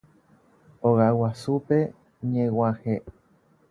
Ogaguasúpe ñeg̃uahẽ